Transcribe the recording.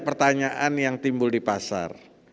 pertanyaan yang timbul di pasar